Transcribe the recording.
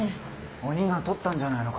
鬼が取ったんじゃないのか？